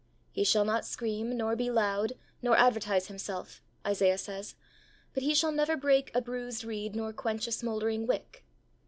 'He shall not scream, nor be loud, nor advertise Himself,' Isaiah says, 'but He shall never break a bruised reed nor quench a smouldering wick.'